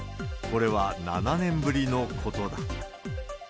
これは７年ぶりのことだ。